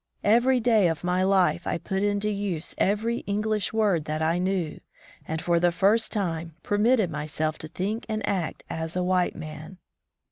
Every day of my life I put into use every English word that I knew, and for the first time permitted myself to think and act as a white man.